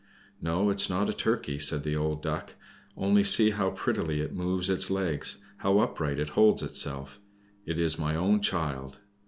"No; it is not a turkey," said the old Duck; "only see how prettily it moves its legs, how upright it holds itself! It is my own child.